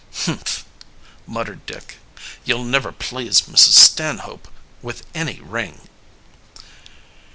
"Humph!" muttered Dick. "You'll never please Mrs. Stanhope with any ring."